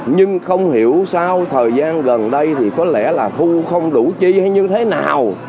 nhưng không hiểu sao thời gian gần đây thì có lẽ là thu không đủ chi hay như thế nào